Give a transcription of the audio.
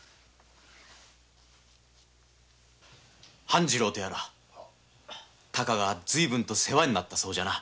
半次郎とやら孝が世話になったそうじゃな。